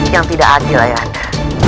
yang tidak adil ayahanda